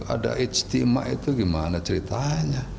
ada ijtima itu gimana ceritanya